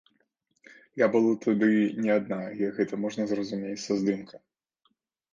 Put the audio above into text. Я была тады не адна, як гэта можна зразумець са здымка.